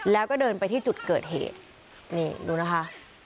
แล้วก็เดินไปที่จุดเกิดเหตุนี่ดูนะคะ